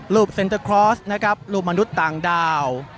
เซ็นเตอร์คลอสนะครับรูปมนุษย์ต่างดาว